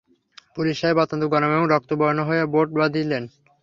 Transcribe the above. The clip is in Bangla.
পুলিস সাহেব অত্যন্ত গরম এবং রক্তবর্ণ হইয়া বোট বাঁধিলেন।